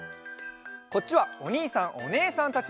こっちはおにいさんおねえさんたちのえ。